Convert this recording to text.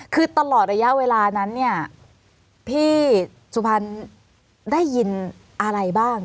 คือตลอดระยะเวลานั้นเนี่ยพี่สุพรรณได้ยินอะไรบ้าง